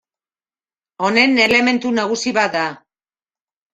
Honen elementu nagusia bat da.